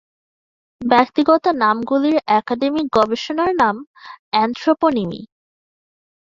ব্যক্তিগত নামগুলির একাডেমিক গবেষণার নাম অ্যানথ্রোপনিমি।